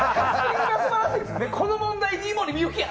この問題、井森美幸や！